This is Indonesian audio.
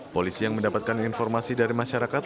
polisi yang mendapatkan informasi dari masyarakat